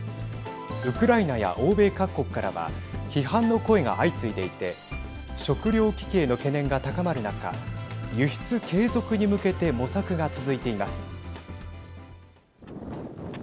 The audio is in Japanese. ウクライナや欧米各国からは批判の声が相次いでいて食料危機への懸念が高まる中輸出継続に向けて模索が続いています。